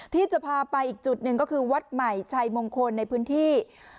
ที่จะพาไปอีกจุดหนึ่งก็คือวัดใหม่ชัยมงคลในพื้นที่